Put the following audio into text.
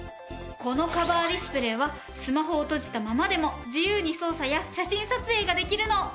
このカバーディスプレイはスマホを閉じたままでも自由に操作や写真撮影ができるの。